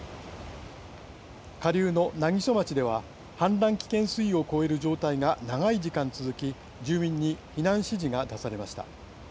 下流の南木曽町では氾濫危険水位を超える状態が長い時間続き住民に避難指示が出されました。